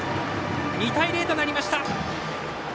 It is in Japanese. ２対０となりました。